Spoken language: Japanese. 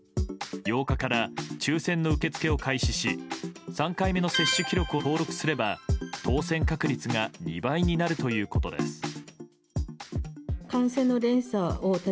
８日から抽選の受け付けを開始し３回目の接種記録を登録すれば当せん確率が２倍になるということです。